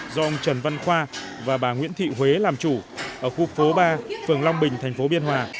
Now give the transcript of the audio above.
do ông trần văn khoa và bà nguyễn thị huế làm chủ ở khu phố ba phường long bình thành phố biên hòa